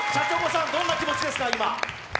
どんな気持ちですか？